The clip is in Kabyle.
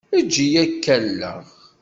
Eǧǧ-iyi ad k-alleɣ.